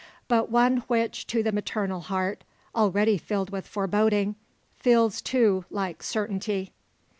But one which to the maternal heart, already filled with foreboding, feels too like certainty.